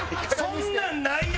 そんなんないよ？